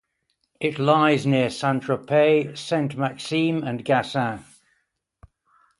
It lies near St-Tropez, Sainte-Maxime and Gassin.